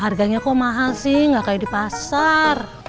harganya kok mahal sih nggak kayak di pasar